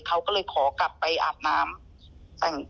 เขาก็เลยขอกลับไปอาบน้ำแต่ง